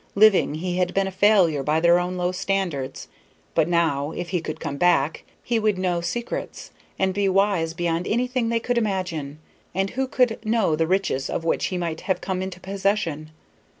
Living, he had been a failure by their own low standards; but now, if he could come back, he would know secrets, and be wise beyond anything they could imagine, and who could know the riches of which he might have come into possession?